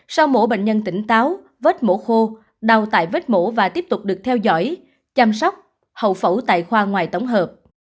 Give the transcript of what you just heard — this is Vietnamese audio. sau mổ bệnh nhân tỉnh táo vết mổ khô đau tại vết mổ và tiếp tục được theo dõi chăm sóc hậu phẫu tại khoa ngoài tổng hợp